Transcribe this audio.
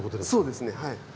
そうですねはい。